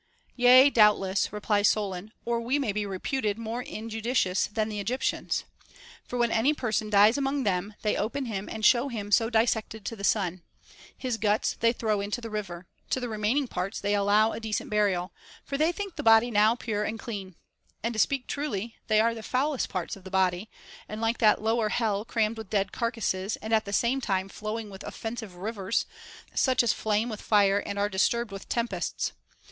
Yea, doubtless, replies Solon, or we may be reputed more injudicious than the Egyptians. For when any per 30 THE BANQUET OF THE SEVEN WISE MEN. son dies among them, they open him and show him so dissected to the sun ; his guts they throw into the river, to the remaining parts they allow a decent burial, for they think the body now pure and clean ; and» to speak truly, they are the foulest parts of the body, and like that lower hell crammed with dead carcasses and at the same time flowing with offensive rivers, such as flame with fire and are disturbed with tempests.